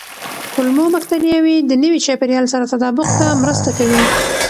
کولمو بکتریاوې د نوي چاپېریال سره تطابق ته مرسته کوي.